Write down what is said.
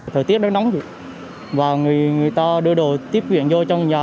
thời tiết rất nóng và người ta đưa đồ tiếp viện vô trong nhà